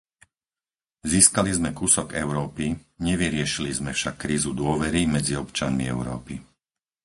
Získali sme kúsok Európy, nevyriešili sme však krízu dôvery medzi občanmi Európy.